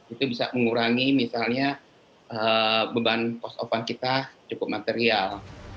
itu bisa mengurangi misalnya beban kos opan kita cukup material